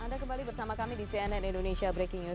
anda kembali bersama kami di cnn indonesia breaking news